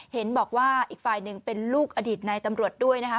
เห็นบอกว่าอีกฝ่ายหนึ่งเป็นลูกอดีตนายตำรวจด้วยนะคะ